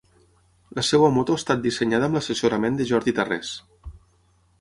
La seva moto ha estat dissenyada amb l'assessorament de Jordi Tarrés.